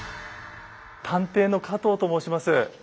探偵の加藤と申します。